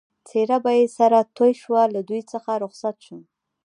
څېره به یې سره توی شوه، له دوی څخه رخصت شوم.